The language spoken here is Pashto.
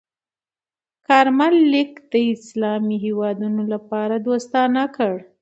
کارمل لیک د اسلامي هېوادونو لپاره دوستانه کړ.